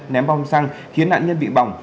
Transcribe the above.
ném bong xăng khiến nạn nhân bị bỏng